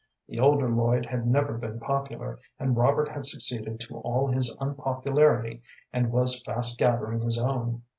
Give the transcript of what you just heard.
The older Lloyd had never been popular, and Robert had succeeded to all his unpopularity, and was fast gathering his own.